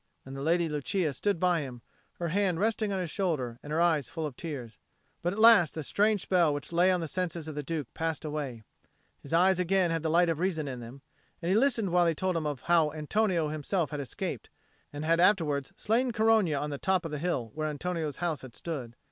And the Lady Lucia stood by him, her hand resting on his shoulder and her eyes full of tears. But at last the strange spell which lay on the senses of the Duke passed away: his eyes again had the light of reason in them, and he listened while they told him how Antonio had himself escaped, and had afterwards slain Corogna on the top of the hill where Antonio's house had stood.